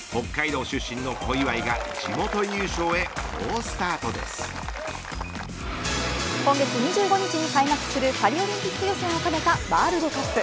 北海道出身の小祝が今月２５日に開幕するパリオリンピック予選を兼ねたワールドカップ。